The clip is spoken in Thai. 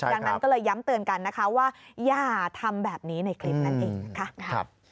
ดังนั้นก็เลยย้ำเตือนกันนะคะว่าอย่าทำแบบนี้ในคลิปนั่นเองนะคะ